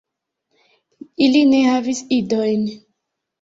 Ili ne havis idojn.